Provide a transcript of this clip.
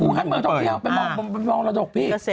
อูหันเป็นเมืองท่องเที่ยวไปมองระดกพี่